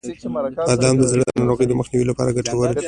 • بادام د زړه د ناروغیو د مخنیوي لپاره ګټور دي.